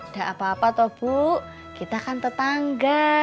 gak apa apa toh bu kita kan tetangga